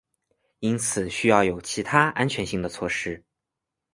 因此需要有其他安全性的措施。